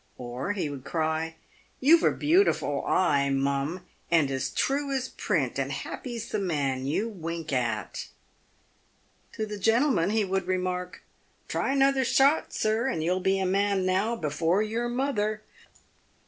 Or he would cry, " You've a beautiful eye, mum, and as true as print, and happy's the man you wink at." To the gentlemen he would remark, " Try another shot, sir, and you'll be a man now before your mother."